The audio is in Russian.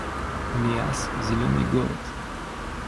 Миасс — зелёный город